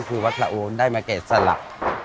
คือวัดสะโอนได้มาแกะสลัก